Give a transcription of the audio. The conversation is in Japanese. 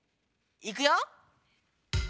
いくよ！